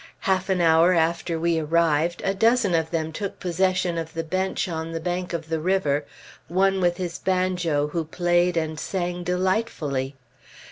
Half an hour after we arrived, a dozen of them took possession of the bench on the bank of the river, one with his banjo who played and sang delightfully.